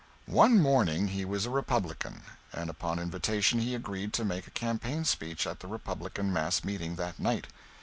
One morning he was a Republican, and upon invitation he agreed to make a campaign speech at the Republican mass meeting that night.